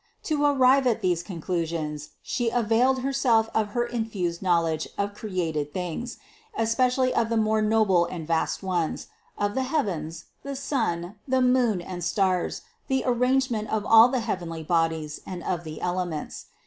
To arrive at these conclusions, She availed Herself of her infused knowledge of created things, especially of the more noble and vast ones, of the heavens, the sun, the moon and stars, the arrangement of all the heavenly bodies and of the elements.